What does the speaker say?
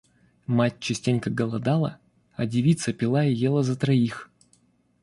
Мать частенько голодала, а девица пила и ела за троих.